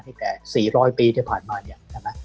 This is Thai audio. ที่แค่๔๐๐ปีที่ผ่านมาเนี่ย